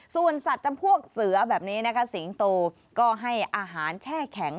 ส่วนสัตว์จำพวกเสือแบบนี้นะคะสิงโตก็ให้อาหารแช่แข็ง